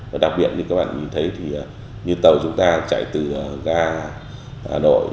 và đặc biệt như các bạn nhìn thấy thì như tàu chúng ta chạy từ ga hà nội